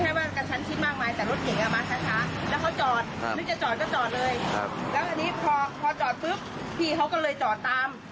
แล้วอันนี้พอจอดปุ๊บพี่เขาก็เลยจอดตาม